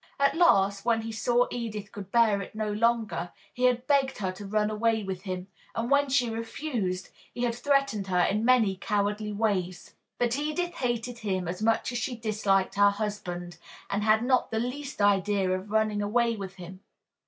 At last, when he saw Edith could bear it no longer, he had begged her to run away with him, and when she refused, he had threatened her in many cowardly ways. But Edith hated him as much as she disliked her husband, and had not the least idea of running away with him.